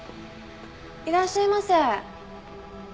いらっしゃいませ。